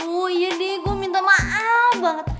oh iya deh gue minta maaf banget